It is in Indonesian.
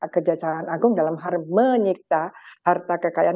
kejaksaan agung dalam hal menyikta harta kekayaan